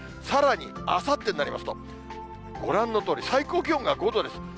さらに、あさってになりますと、ご覧のとおり、最高気温が５度です。